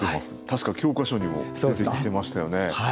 確か教科書にも出てきてましたよね。